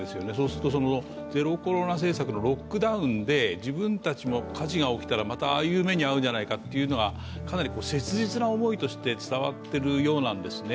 するとゼロコロナ政策のロックダウンで自分たちも火事が起きたらまたああいう目に遭うんじゃないかとかなり切実な思いとして伝わっているようなんですね。